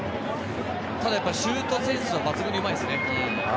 シュートセンスは抜群にうまいですね。